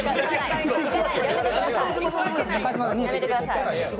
やめてください。